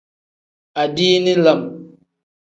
Adiini lam.